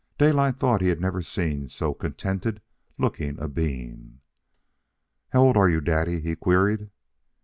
Daylight thought that he had never seen so contented looking a being. "How old are you, daddy?" he queried.